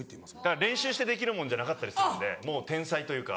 練習してできるもんじゃなかったりするんでもう天才というか。